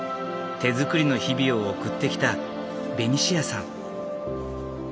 手づくりの日々を送ってきたベニシアさん。